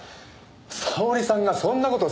沙織さんがそんな事するはず。